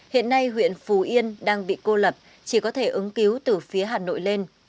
hiện nay huyện phù yên đang bị cô lập chỉ có thể ứng cứu từ phía hà nội lên